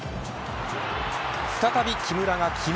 再び木村が決め、